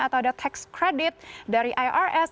atau ada tax credit dari irs